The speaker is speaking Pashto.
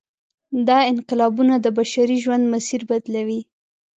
دا انقلابونه د بشري ژوند مسیر بدلوي.